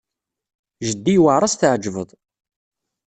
Jeddi yewɛeṛ ad as-tɛejbeḍ.